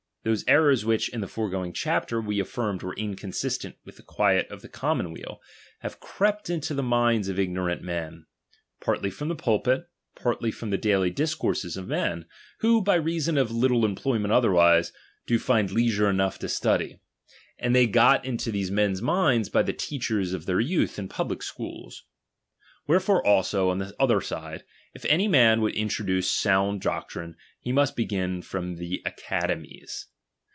Those errors which, in the foregoing chap ter, we affirmed were inconsistent with the quiet of the commonweal, have crept into the minds of ignorant men, partly from the pulpit, partly from the daily discourses of men, who, by reason of little employment otherwise, do find leisure enough to study ; and they got into these men's minds by the teachers of their youth in public schools. Wherefore also, on the other side, if any man would introduce sound doctrine, he must begin from the academies.